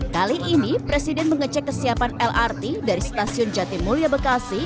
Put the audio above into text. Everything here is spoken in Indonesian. kali ini presiden mengecek kesiapan lrt dari stasiun jatimulya bekasi